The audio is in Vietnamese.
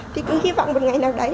thì cứ hy vọng một ngày nào đấy